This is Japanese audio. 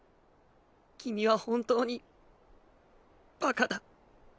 君は本当にバカだ。